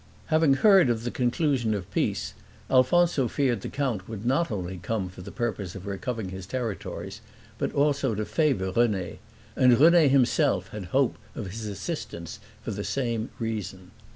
Having heard of the conclusion of peace, Alfonso feared the count would not only come for the purpose of recovering his territories, but also to favor René; and René himself had hope of his assistance for the same reason.